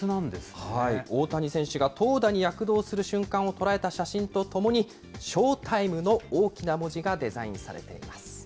大谷選手が投打に躍動する瞬間を捉えた写真とともに、ＳＨＯＴＩＭＥの大きな文字がデザインされています。